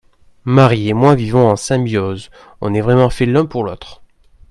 Marie et moi vivons en symbiose, on est vraiment fait l'un pour l'autre.